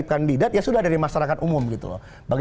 kenapa pakai perkumpulan